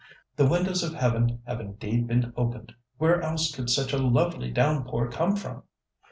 The windows of Heaven have indeed been opened—where else could such a lovely downpour come from?